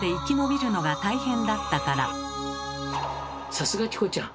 さすがチコちゃん！